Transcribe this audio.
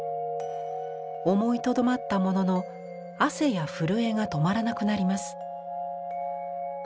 思いとどまったものの汗や震えが止まらなくなります。